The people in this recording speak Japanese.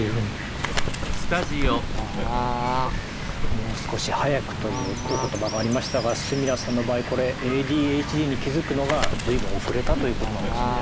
もう少し早くというお言葉がありましたが墨田さんの場合これＡＤＨＤに気付くのが随分遅れたということなんですね。